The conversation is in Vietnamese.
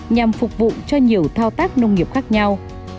nhằm phục vụ cho nhiều thao tác nông nghiệp khác nhau